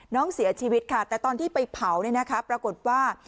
น้องเสียชีวิตค่ะแต่ตอนที่ไปเผาเนี่ยนะคะปรากฏว่า